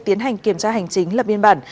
tiến hành kiểm tra hành chính lập biên bản